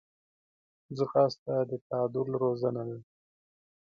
ځغاسته د تعادل روزنه ده